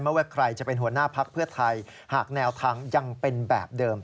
ว่าใครจะเป็นหัวหน้าพักเพื่อไทยหากแนวทางยังเป็นแบบเดิม